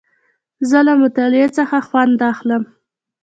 زه له مطالعې څخه خوند اخلم.